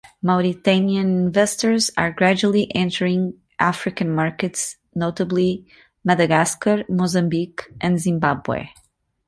Mauritian investors are gradually entering African markets, notably Madagascar, Mozambique and Zimbabwe.